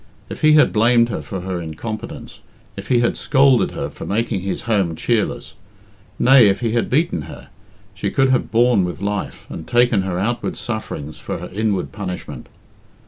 If he had blamed her for her incompetence; if he had scolded her for making his home cheerless; nay, if he had beaten her, she could have borne with life, and taken her outward sufferings for her inward punishment.